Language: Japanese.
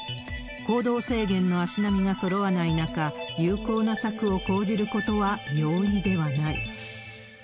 行動制限の足並みがそろわない中、有効な策を講じることは容易ではない。